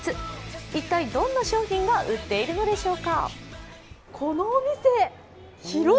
一体どんな商品が売っているのでしょうか。